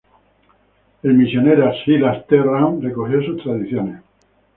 El misionero Silas T. Rand recogió sus tradiciones.